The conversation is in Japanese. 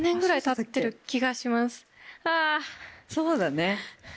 そうだね。